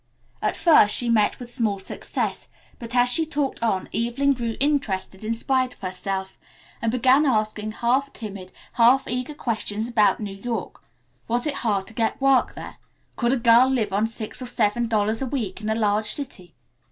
At first she met with small success, but as she talked on Evelyn grew interested in spite of herself and began asking half timid, half eager questions about New York. Was it hard to get work there? Could a girl live on six or seven dollars a week in a large city?